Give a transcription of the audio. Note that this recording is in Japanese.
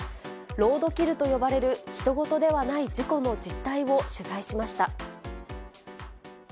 ロードキルと呼ばれるひと事ではない事故の実態を取材しました。